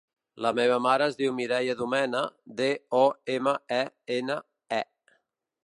La meva mare es diu Mireia Domene: de, o, ema, e, ena, e.